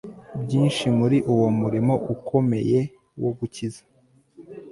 byinshi muri uwo murimo ukomeye wo gukiza